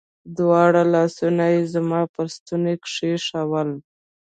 دواړه لاسونه يې زما پر ستوني کښېښوول.